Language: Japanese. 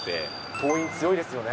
桐蔭、強いですよね。